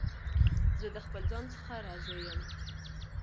زه د خپل ځان څخه راضي یم.